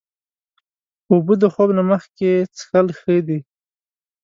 اوبه د خوب نه مخکې خوړل ښې دي.